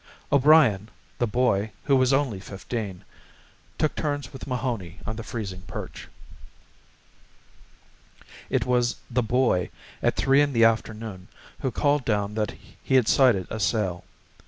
O'Brien, the boy, who was only fifteen, took turns with Mahoney on the freezing perch. It was the boy, at three in the afternoon, who called down that he had sighted a sail.